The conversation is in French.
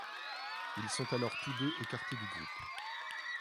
Ils sont alors tous deux écartés du groupe.